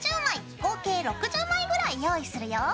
合計６０枚ぐらい用意するよ。